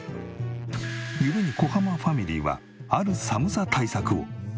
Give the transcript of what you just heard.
故に小濱ファミリーはある寒さ対策を。